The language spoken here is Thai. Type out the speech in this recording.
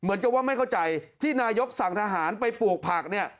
เหมือนกับว่าไม่เข้าใจที่นายกสั่งทหารไปปลูกผักเนี่ย